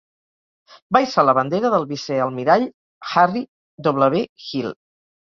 Va hissar la bandera del vicealmirall Harry W. Hill.